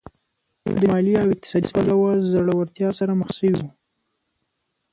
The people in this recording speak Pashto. دوی له مالي او اقتصادي پلوه ځوړتیا سره مخ شوي وو